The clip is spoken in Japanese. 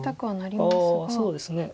そうですね。